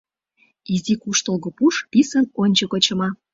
Изи куштылго пуш писын ончыко чыма.